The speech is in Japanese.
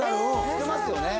知ってますよね。